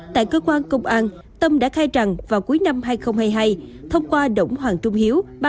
tại cơ quan công an tâm đã khai rằng vào cuối năm hai nghìn hai mươi hai thông qua đỗng hoàng trung hiếu